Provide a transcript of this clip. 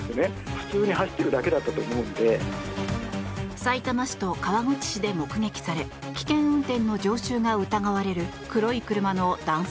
さいたま市と川口市で目撃され危険運転の常習が疑われる黒い車の男性